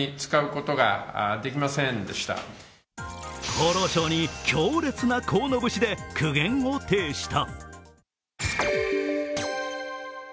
厚労省に強烈な河野節で苦言を呈した。